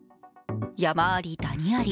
山ありダニあり。